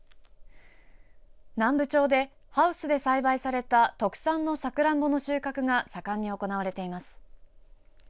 南部町でハウスで栽培された特産のさくらんぼの収穫が盛んに行われています。